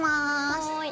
はい。